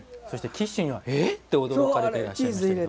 キッシュには、えっと驚かれていらっしゃいましたけど。